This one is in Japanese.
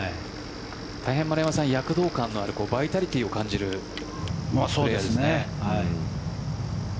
丸山さん、躍動感のあるバイタリティーを感じるそうですね。